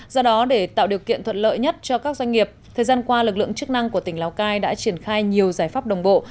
do đó để tạo điều kiện thuận lợi nhất cho các doanh nghiệp thời gian qua lực lượng chức năng của tỉnh lào cai đã triển khai nhiều giải pháp đồng bộ